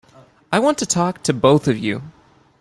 I want to talk to both of you.